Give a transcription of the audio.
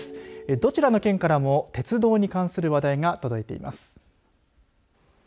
どちらの県からも鉄道に関する話題が届いています。